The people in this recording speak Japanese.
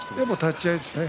立ち合いですね。